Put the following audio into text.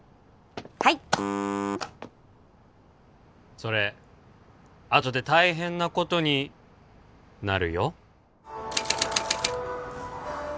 はいそれあとで大変なことになるよ